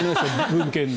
文献で。